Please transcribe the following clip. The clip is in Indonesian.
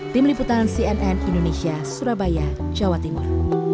tim liputan cnn indonesia surabaya jawa timur